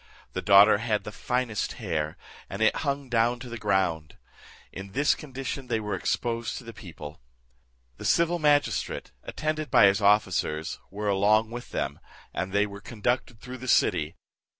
The daughter had the finest hair, and it hung down to the ground. In this condition they were exposed to the people. The civil magistrate, attended by his officers, were along with them, and they were conducted through the city.